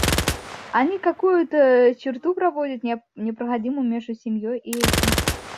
Они какую-то черту проводят непроходимую между семьей и этим.